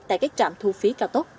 tại các trạm thu phí cao tốc